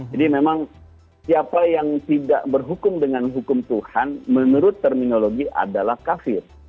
jadi memang siapa yang tidak berhukum dengan hukum tuhan menurut terminologi adalah kafir